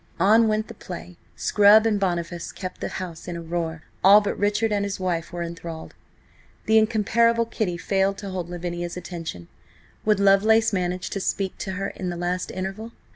On went the play. Scrub and Boniface kept the house in a roar; all but Richard and his wife were enthralled. The incomparable Kitty failed to hold Lavinia's attention. Would Lovelace manage to speak to her in the last interval?